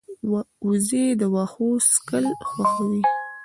وزې د واښو څکل خوښوي